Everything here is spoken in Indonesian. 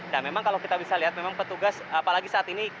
nah memang kalau kita bisa lihat memang petugas apalagi saat ini